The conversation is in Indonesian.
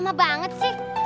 ayo dong jalannya cepetan